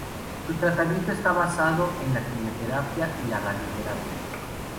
Su tratamiento está basado en la quimioterapia y la radioterapia.